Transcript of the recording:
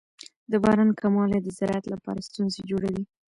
د باران کموالی د زراعت لپاره ستونزې جوړوي.